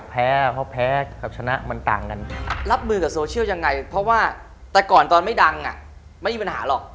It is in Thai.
เพราะว่าแต่ก่อนตอนไม่ดังอ่ะไม่มีปัญหาหรอก